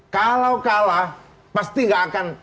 kalau kalah pasti nggak akan